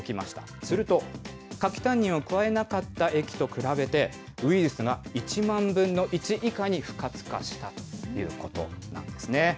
すると、柿タンニンを加えなかった液と比べて、ウイルスが１万分の１以下に不活化したということなんですね。